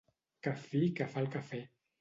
Que fi que fa el cafè.